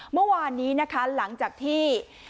เมื่อวานนี้นะคะหลังจากที่